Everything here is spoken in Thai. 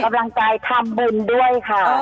ออกกำลังกายทำบุญด้วยค่ะ